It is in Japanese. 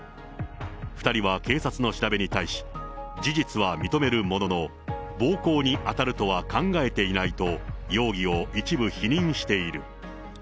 ２人は警察の調べに対し、事実は認めるものの、暴行に当たるとは考えていないと、容疑を一部否認している。